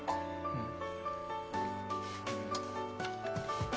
うん。